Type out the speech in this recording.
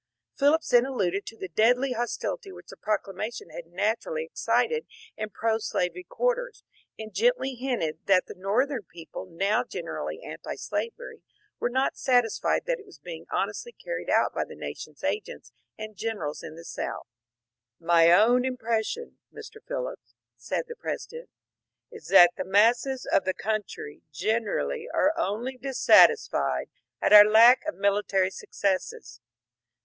Phillips then alluded to the deadly hostility which the proclamation had naturally excited in pro slavery quarters, and gently hinted that the Northern people, LINCOLN AND PHILLIPS 379 now generally antislavery, were not satisfied that it was being honestly carried out by the nation's agents and generals in the South. ^^ My own impression, Mr. Phillips," said the Presi dent, ^^ is that the masses of the oountry generaUy are only dissatisfied at our lack of military successes.